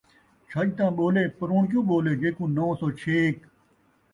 چھڄ تاں ٻولے، پروݨ کیوں ٻولے ، جین٘کوں نوں سو چھیک